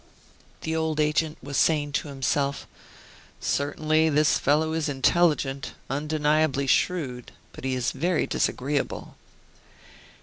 The old agent was saying to himself: "Certainly, this fellow is intelligent, undeniably shrewd; but he is very disagreeable."